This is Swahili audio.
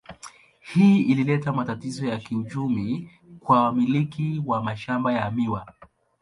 Hii ilileta matatizo ya kiuchumi kwa wamiliki wa mashamba ya miwa.